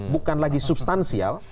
bukan lagi substansial